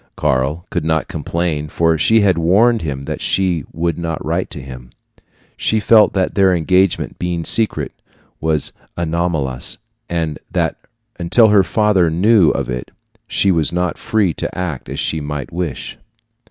Karl could not complain, for she had warned him that she would not write to him. She felt that their engagement, being secret, was anomalous, and that until her family knew of it she was not free to act as she might wish.